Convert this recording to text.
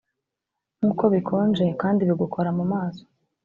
nkuko bikonje kandi bigukora mu maso,